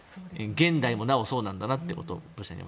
現代もなおそうなんだなってことを。